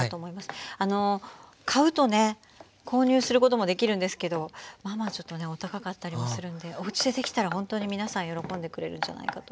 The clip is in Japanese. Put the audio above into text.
買うとね購入することもできるんですけどまあまあお高かったりもするんでおうちでできたらほんとに皆さん喜んでくれるんじゃないかと思います。